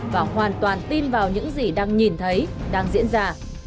và hoàn toàn tin vào những gì đang nhìn thấy đang diễn ra